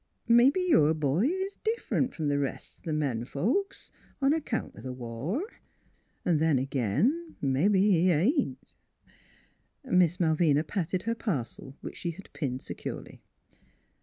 Mebbe your boy is diff'rent from th' rest of men folks, on account o' th' war, an' then ag'in mebbe he ain't." Miss Malvina patted her parcel which she had pinned securely.